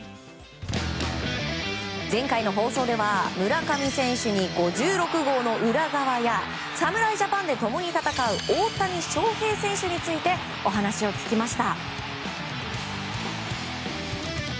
前回の放送では、村上選手に５６号の裏側や侍ジャパンで共に戦う大谷翔平選手についてお話を聞きました。